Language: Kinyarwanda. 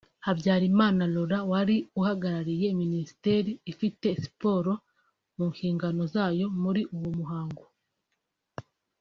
Habyarimana Laurent wari uhagarariye Mimisiteri ifite siporo mu nshingano zayo muri uwo muhango